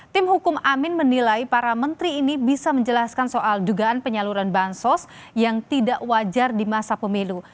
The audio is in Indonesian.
tim hukum amin menilai para menteri ini bisa menjelaskan soal dugaan penyaluran bansos yang tidak wajar di masa pemilu